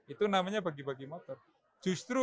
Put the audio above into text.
itu namanya bagi bagi motor justru